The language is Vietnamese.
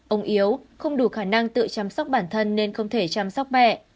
ông yếu không đủ khả năng tự chăm sóc bản thân nên không thể chăm sóc mẹ